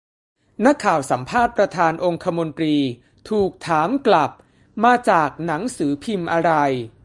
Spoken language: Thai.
นักข่าวสัมภาษณ์ประธานองคมนตรี ถูกถามกลับ มาจากหนังสือพิมพ์อะไร